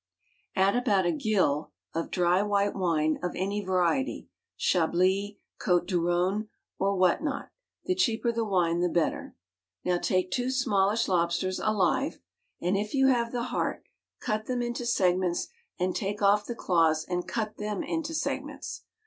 Add about a gill of dry white wine of any variety, — Chablis, Cotes du Rhone o)> what not, — the cheaper the wine the better. Now take two smallish lobsters, alive, and if you have the heart, cut them into segments and taice ofE the claws and cut themj into segments.